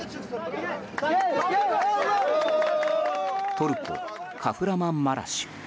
トルコ・カフラマンマラシュ。